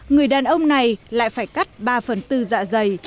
người đàn ông này lại phải cắt ba phần tư dạ dày